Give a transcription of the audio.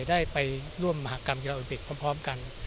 ได้ไปร่วมมหากรรมกีฬาโอลิมปิกพร้อมกัน